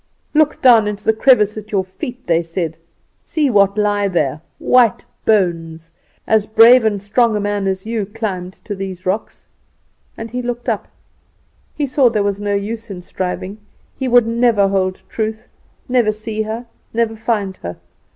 "'Look down into the crevice at your feet,' they said. 'See what lie there white bones! As brave and strong a man as you climbed to these rocks.' And he looked up. He saw there was no use in striving; he would never hold Truth, never see her, never find her.